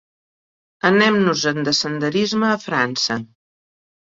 Anem-nos-en de senderisme a França.